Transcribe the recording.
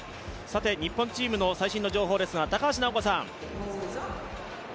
日本チームの最新の情報ですが、高橋尚子さん。